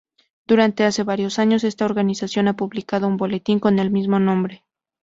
Durante hace varios años, esta organización ha publicado un boletín con el mismo nombre.